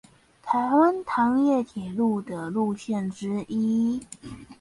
臺灣糖業鐵路的路線之一